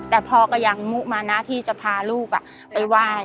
แต่พอก็ยังมู้มาหน้าที่จะพาลูกไปว่าย